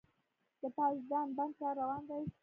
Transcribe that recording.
د پاشدان بند کار روان دی؟